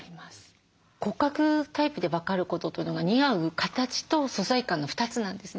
骨格タイプで分かることというのが似合う形と素材感の２つなんですね。